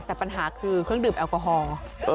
แต่ปัญหาคือเครื่องดื่มแอลกอฮอล์